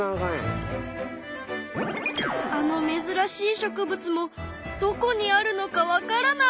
あのめずらしい植物もどこにあるのかわからない。